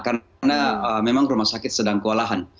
karena memang rumah sakit sedang kewalahan